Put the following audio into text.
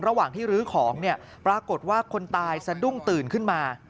ระหว่างที่ลื้อของเนี่ยปรากฏว่าคนตายสะดุ้งตื่นขึ้นมา